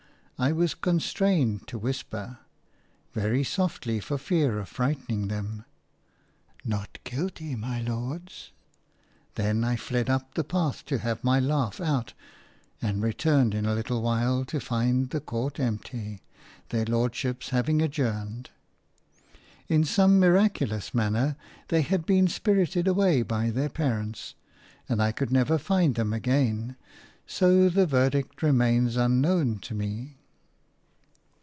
I was constrained to whisper – very softly for fear of frightening them – "Not guilty, my lords!" Then I fled up the path to have my laugh out, and returned in a little while to find the court empty, their lordships having adjourned. In some miraculous manner they had been spirited away by their parents, and I could never find them again; so the verdict remains unknown to me.